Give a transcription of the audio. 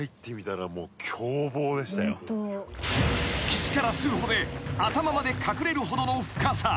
［岸から数歩で頭まで隠れるほどの深さ］